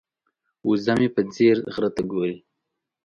وزه مې په ځیر غره ته ګوري.